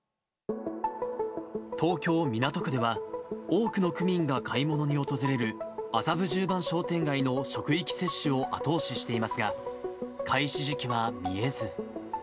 東京・港区では、多くの区民が買い物に訪れる麻布十番商店街の職域接種を後押ししていますが、開始時期は見えず。